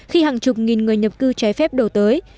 khi hàng chục nghìn người nhập cư trái phép đổ tới